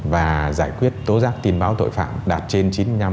và giải quyết tố giác tin báo tội phạm đạt trên chín mươi năm